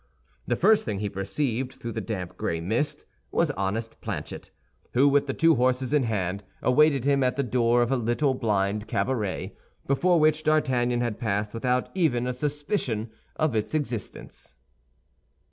The first thing he perceived through the damp gray mist was honest Planchet, who, with the two horses in hand, awaited him at the door of a little blind cabaret, before which D'Artagnan had passed without even a suspicion of its existence.